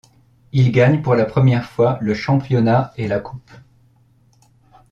Il gagne pour la première fois le championnat et la coupe.